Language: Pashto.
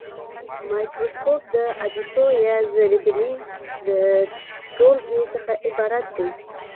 مایکروسکوپ د عدسیو یا زرې بیني د ټولګې څخه عبارت دی.